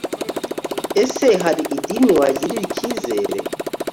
Ese hari idini wagirira icyizere